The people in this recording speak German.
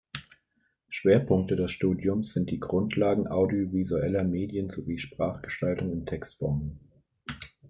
Schwerpunkte des Studiums sind die Grundlagen audiovisueller Medien sowie Sprachgestaltung und Textformen.